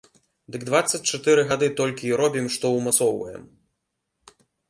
Дык дваццаць чатыры гады толькі і робім, што ўмацоўваем.